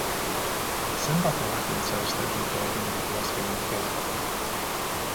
Zenbat ebakuntza estetiko egin ditu azken urteotan?